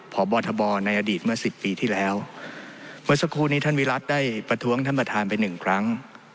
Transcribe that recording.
พบทบในอดีตเมื่อสิบปีที่แล้วเมื่อสักครู่นี้ท่านวิรัติได้ประท้วงท่านประธานไปหนึ่งครั้ง